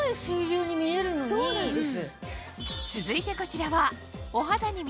そうなんです。